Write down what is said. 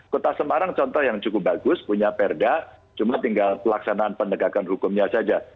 kota semarang contoh yang cukup bagus punya perda cuma tinggal pelaksanaan penegakan hukumnya saja